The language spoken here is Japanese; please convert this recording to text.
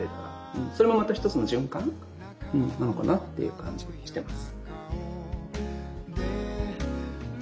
それもまた一つの循環なのかなっていう感じはしてます。